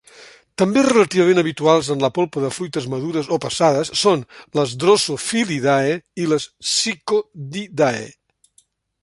També relativament habituals en la polpa de fruites madures o passades són les Drosophilidae i les Psychodidae.